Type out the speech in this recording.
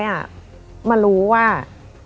มารู้ว่าพี่ยังขึ้นไม่ได้เอาขึ้นไปไปห้อยหัวไม่ได้